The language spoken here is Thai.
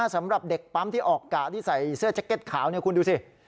สำหรับเด็กปั๊มที่ออกกะที่ใส่เสื้อแจ็คเก็ตขาวคุณดูสิ